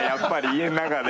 家の中で。